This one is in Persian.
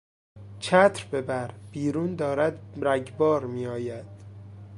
چتر ببر، بیرون دارد رگبار میآید.